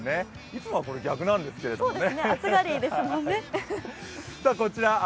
いつもこれ、逆なんですけどね。